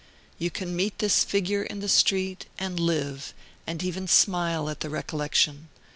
You can meet this figure in the street, and live, and even smile at the recollection.